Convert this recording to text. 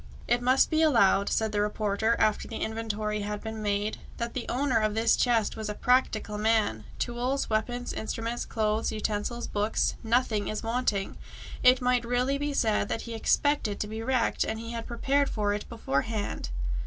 "It must be allowed," said the reporter, after the inventory had been made, "that the owner of this chest was a practical man! Tools, weapons, instruments, clothes, utensils, books nothing is wanting! It might really be said that he expected to be wrecked, and had prepared for it beforehand."